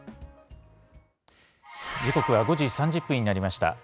時刻は５時３０分になりました。